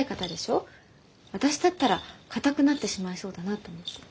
私だったら硬くなってしまいそうだなと思って。